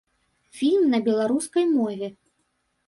Фільм на беларускай мове.